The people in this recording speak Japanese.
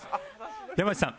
山内さん